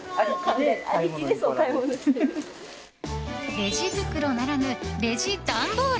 レジ袋ならぬレジ段ボール。